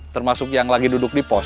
termasuk yang lagi duduk di pos